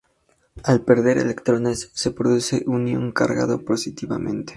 Al perder electrones se produce un ion cargado positivamente.